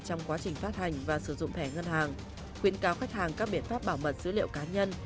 trong quá trình phát hành và sử dụng thẻ ngân hàng khuyến cáo khách hàng các biện pháp bảo mật dữ liệu cá nhân